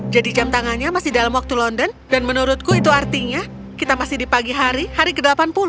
jadi jam tangannya masih dalam waktu london dan menurutku itu artinya kita masih di pagi hari hari ke delapan puluh